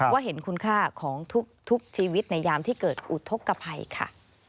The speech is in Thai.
เห็นคุณค่าของทุกชีวิตในยามที่เกิดอุทธกภัยค่ะ